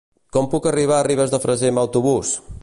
Com puc arribar a Ribes de Freser amb autobús?